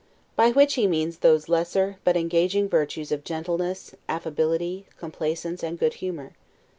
By which he means those lesser, but engaging virtues of gentleness, affability, complaisance, and good humor.